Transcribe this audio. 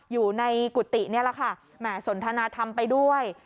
อยู่ในกุฏินี่แหละค่ะแหม่สนทนาธรรมไปด้วย